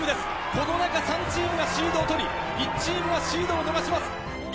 この中３チームがシードをとり、１チームがシードを逃します。